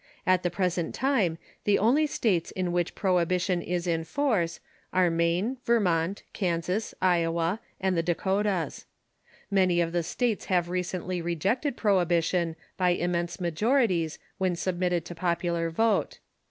At the present time the only states in which Prohibition is in force are Maine, Yermont, Kansas, Iowa, and the Reaction t ^,^^.,,,. Uakotas. Many or the states have recently rejected Prohibition by immense majorities when submitted to popular vote.